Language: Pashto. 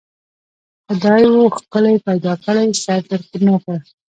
خدای وو ښکلی پیدا کړی سر تر نوکه